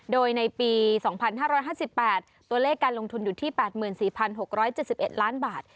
โดยในปี๒๕๕๘ตัวเลขการลงทุนอยู่ที่๘๔๖๗๑ล้านบาท